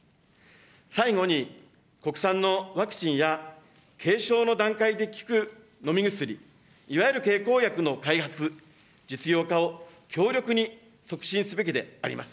最後に、国産のワクチンや、軽症の段階で効く飲み薬、いわゆる経口薬の開発、実用化を強力に促進すべきであります。